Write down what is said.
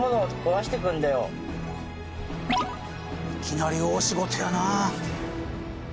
いきなり大仕事やな。